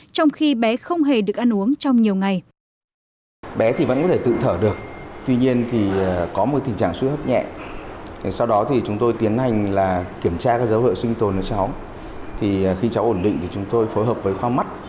trong khi bé không hề được ăn uống trong nhiều ngày